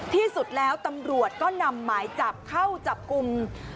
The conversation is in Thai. ที่สุดแล้วตำรวจก็นำหมายจับเข้าจับกลุ่ม